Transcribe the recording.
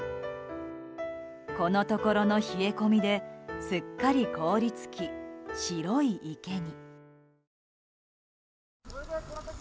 このところの冷え込みですっかり凍り付き、白い池に。